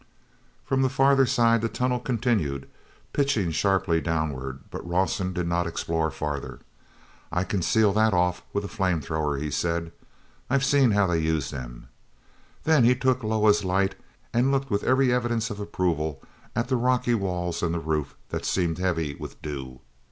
From the farther side the tunnel continued, pitching sharply downward, but Rawson did not explore farther. "I can seal that off with a flame thrower," he said. "I've seen how they use them." Then he took Loah's light and looked with every evidence of approval at the rocky walls and the roof that seemed heavy with dew.